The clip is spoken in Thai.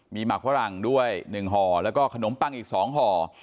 มีหมักพระรังด้วยหนึ่งห่อแล้วก็ขนมปังอีกสองห่อ